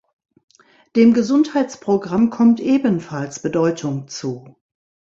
Dem Gesundheitsprogramm kommt ebenfalls Bedeutung zu.